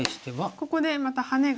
ここでまたハネが。